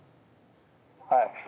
はい。